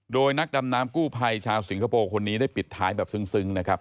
โดยนักดำน้ำกู้ภัยชาวสิงคโปร์คนนี้ได้ปิดท้ายแบบซึ้งนะครับ